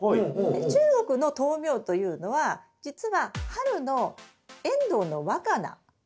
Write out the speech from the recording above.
中国の豆苗というのはじつは春のエンドウの若菜。